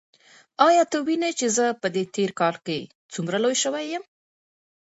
ایا ته وینې چې زه په دې تېر کال کې څومره لوی شوی یم؟